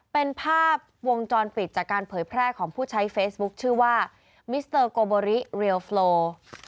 เป็นภาพวงจรปิดจากการเผยแพร่ของผู้ใช้เฟซบุ๊คชื่อว่ามิสเตอร์โกโบริเรียลโฟล